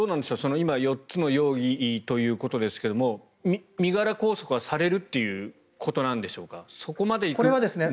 今４つの容疑ということですが身柄拘束はされるということでしょうか？